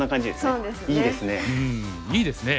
うんいいですね。